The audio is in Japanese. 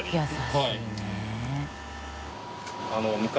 はい。